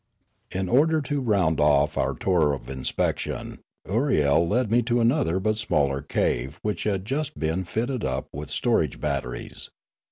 In order to round off our tour of inspection, Ooriel led me to another but smaller cave which had just been fitted up with storage batteries.